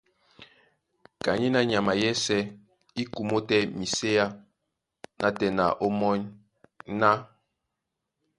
Kanyéná nyama yɛ́sɛ̄ í kumó tɛ́ miséá nátɛna ómɔ́ny ná: